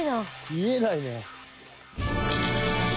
見えないね。